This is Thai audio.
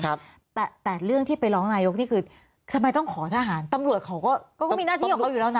แต่แต่เรื่องที่ไปร้องนายกนี่คือทำไมต้องขอทหารตำรวจเขาก็มีหน้าที่ของเขาอยู่แล้วนะ